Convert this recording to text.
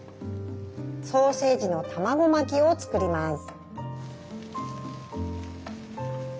ソーセージの卵巻きを作ります。